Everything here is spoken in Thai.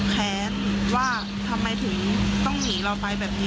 แค้นว่าทำไมถึงต้องหนีเราไปแบบนี้